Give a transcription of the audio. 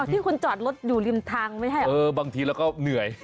ที่คุณจอดรถอยู่ริมทางไม่ใช่เหรอเออบางทีเราก็เหนื่อย